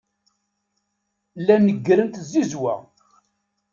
La neggrent tzizwa.